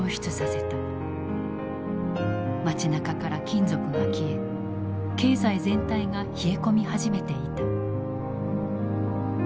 街なかから金属が消え経済全体が冷え込み始めていた。